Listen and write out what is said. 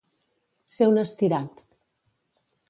Ser un estirat.